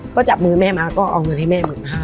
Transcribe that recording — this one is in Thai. ก็จับมือแม่มาก็เอาเงินให้แม่๑๕๐๐